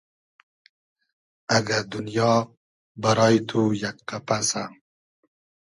اگۂ دونیا بئرای تو یئگ قئپئسۂ